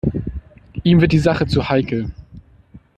Ihm wird die Sache zu heikel.